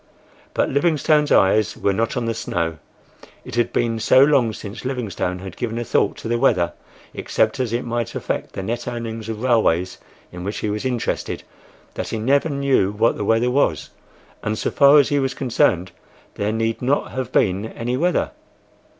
But Livingstone's eyes were not on the snow. It had been so long since Livingstone had given a thought to the weather, except as it might affect the net earnings of railways in which he was interested, that he never knew what the weather was, and so far as he was concerned there need not have been any weather.